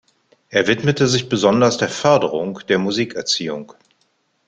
Er widmete sich besonders der Förderung der Musikerziehung.